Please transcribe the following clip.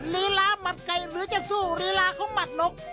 ลีลาหมัดไก่หรือจะสู้ลีลาของหมัดนก